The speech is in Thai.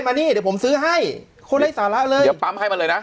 มานี่เดี๋ยวผมซื้อให้คนไร้สาระเลยเดี๋ยวปั๊มให้มันเลยนะ